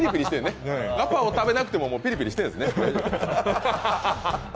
ガパオを食べなくてもピリピリしてるんですね。